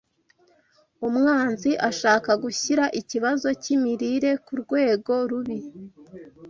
Umwanzi ashaka gushyira ikibazo cy’imirire ku rwego rubi